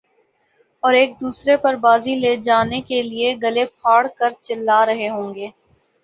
اور ایک دوسرے پر بازی لے جانے کیلئے گلے پھاڑ کر چلا رہے ہوں گے